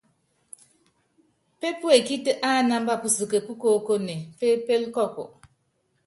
Pépuekíti ánámba pusuke púkoókone, pépélé kɔɔku.